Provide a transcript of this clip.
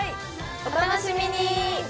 お楽しみに！